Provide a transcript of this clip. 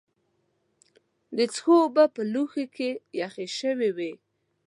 د څښلو اوبه په لوښي کې یخې شوې وې.